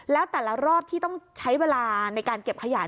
แล้วแต่ละรอบที่ต้องใช้เวลาในการเก็บขยะ